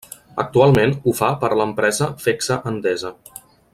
Actualment ho fa per a l'empresa Fecsa-Endesa.